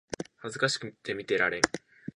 恥ずかしくて見てられん